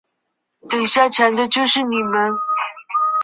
切开的边缘形状可以分为锯齿形和扶手椅形。